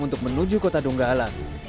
untuk menuju kota donggala